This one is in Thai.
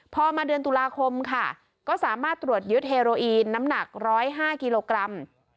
พอมาเดือนตุลาคมค่ะก็สามารถตรวจยึดเฮโรอีนน้ำหนัก๑๐๕กิโลกรัม